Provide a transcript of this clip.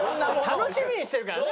楽しみにしてるからね